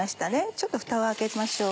ちょっとフタを開けましょう。